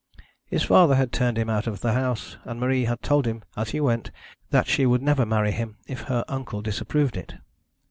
His father had turned him out of the house, and Marie had told him as he went that she would never marry him if her uncle disapproved it.